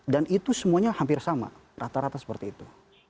dan itu semuanya hampir sama rata rata seperti itu